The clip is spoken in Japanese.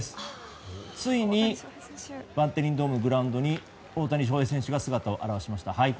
ついにバンテリンドームのグラウンドに大谷翔平選手が姿を現しました。